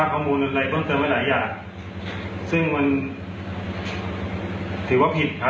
อ้าวมีขอโทษด้วยหรอ